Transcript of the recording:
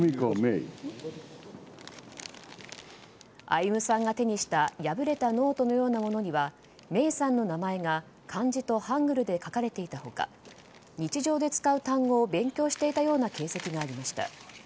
歩さんが手にした破れたノートのようなものには芽生さんの名前が漢字とハングルで書かれていた他日常で使う単語を勉強していたような形跡がありました。